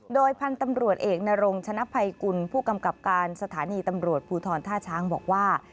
โดยพันธุ์ตำรวจเอกนรงชนะภัยกุลผู้กำกับการสถานีตำรวจภูทรท่าช้างบอกว่า